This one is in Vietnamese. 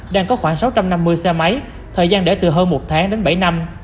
đang có khoảng sáu trăm năm mươi xe máy thời gian để từ hơn một tháng đến bảy năm